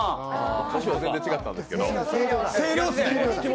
歌詞は全然違ったんですけど。